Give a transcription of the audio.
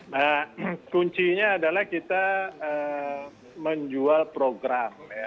nah kuncinya adalah kita menjual program ya